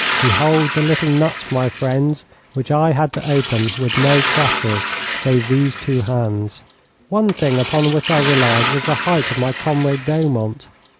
Behold the little nut, my friends, which I had to open with no crackers, save these two hands. One thing upon which I relied was the height of my comrade Beaumont.